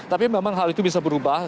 tapi memang hal itu bisa berubah